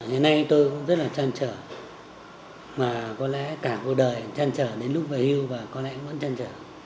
hôm nay tôi cũng rất là trăn trở mà có lẽ cả cuộc đời trăn trở đến lúc về hưu và có lẽ cũng vẫn trăn trở